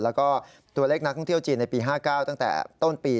แล้วก็ตัวเลขนักท่องเที่ยวจีนในปี๕๙ตั้งแต่ต้นปี